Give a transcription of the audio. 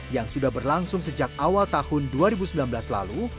yang sudah berlangsung sejak awal tahun dua ribu sembilan belas lalu